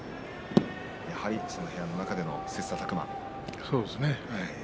やはりその部屋の中での切さたく磨。